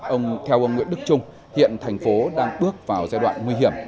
ông theo ông nguyễn đức trung hiện thành phố đang bước vào giai đoạn nguy hiểm